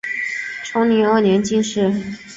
崇宁二年进士。